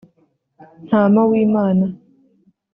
‘‘ Ntama w’Imana